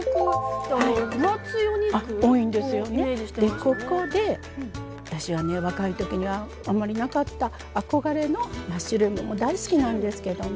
でここで私はね若い時にはあんまりなかった憧れのマッシュルームも大好きなんですけどね